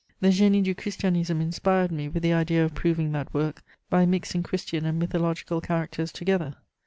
The Génie du Christianisme inspired me with the idea of proving that work by mixing Christian and mythological characters together.